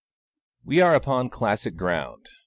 We are upon classic ground.